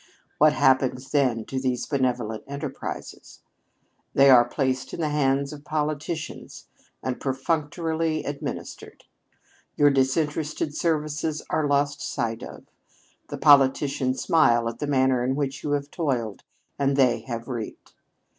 What happens then to these benevolent enterprises? They are placed in the hands of politicians and perfunctorily administered. Your disinterested services are lost sight of; the politicians smile at the manner in which you have toiled and they have reaped.